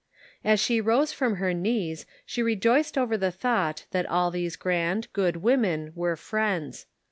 As she rose from her knees she rejoiced over the thought that all these grand, good women were friends.